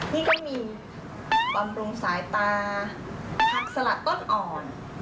นี่ก็มีบำรุงสายตาผักสลัดต้นอ่อน